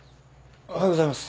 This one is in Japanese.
おはようございます。